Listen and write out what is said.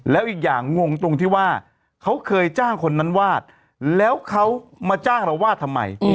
แล้วอีกอย่างงงตรงที่ว่าเขาเคยจ้างคนนั้นวาดแล้วเขามาจ้างเราวาดทำไม